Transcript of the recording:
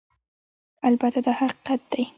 البته دا حقیقت دی